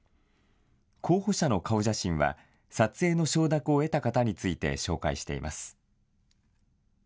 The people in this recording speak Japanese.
候補者の顔写真は撮影の承諾を得た方について紹介しています。